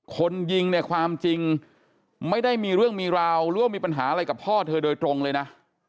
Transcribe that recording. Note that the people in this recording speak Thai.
คนยิงเนี่ยความจริงไม่ได้มีเรื่องมีราวหรือว่ามีปัญหาอะไรกับพ่อเธอโดยตรงเลยนะ